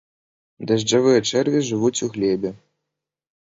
Дажджавыя чэрві жывуць у глебе.